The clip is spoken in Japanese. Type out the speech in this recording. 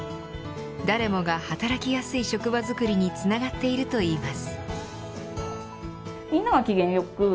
誰もが働きやすい職場づくりにつながっているといいます。